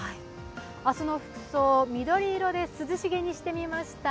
明日の服装、緑色で涼しげにしてみました。